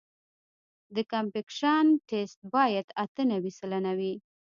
د کمپکشن ټسټ باید اته نوي سلنه وي